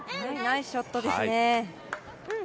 ナイスショットですね。